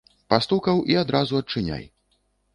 Пастукаў і адразу адчыняй.